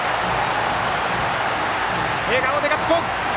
笑顔でガッツポーズ。